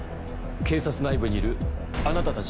警察内部にいるあなたたちの仲間は。